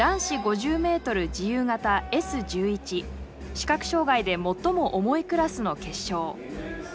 視覚障害で最も重いクラスの決勝。